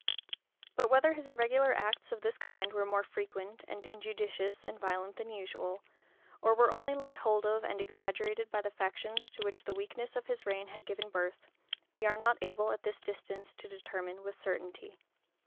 But whether his irregular acts of this kind were more frequent, and injudicious and violent than usual, or were only laid hold of and exaggerated by the factions to which the weakness of his reign had given birth, we are not able at this distance to determine with certainty.